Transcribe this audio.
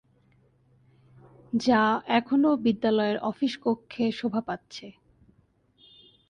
যা এখনও বিদ্যালয়ের অফিস কক্ষে শোভা পাচ্ছে।